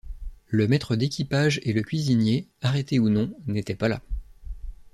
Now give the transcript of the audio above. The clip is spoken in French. Le maître d’équipage et le cuisinier, arrêtés ou non, n’étaient pas là...